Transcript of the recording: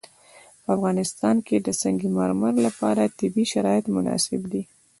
په افغانستان کې د سنگ مرمر لپاره طبیعي شرایط مناسب دي.